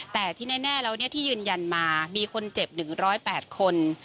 แต่ที่แน่แล้วที่ยืนยันมามีคนเจ็บ๑๐๘คน